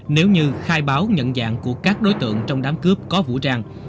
nếu như khai báo nhận dạng của các đối tượng trong đám cướp có vũ trang